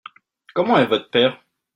Comment est votre père ?